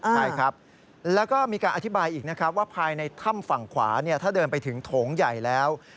ใช่ครับแล้วก็มีการอธิบายอีกนะครับว่าภายในถ้ำฝั่งขวาถ้าเดินไปถึงโถงใหญ่แล้ว